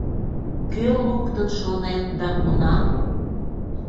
Кӧ луктын шонен да кунам?